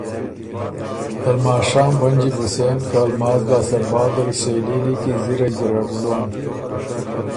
ته لماشام بنجی بُو سېن که لماز لاسته بعدل سېلي لیکی زِرئ ګیرډ زوم“